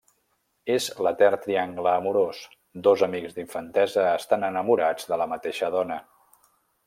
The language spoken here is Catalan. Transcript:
És l'etern triangle amorós: dos amics d'infantesa estan enamorats de la mateixa dona.